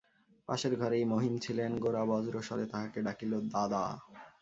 পাশের ঘরেই মহিম ছিলেন–গোরা বজ্রস্বরে তাঁহাকে ডাকিল, দাদা!